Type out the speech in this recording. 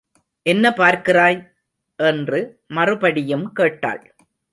என்ன பார்க்கிறாய்? என்று மறுபடியும் கேட்டாள்.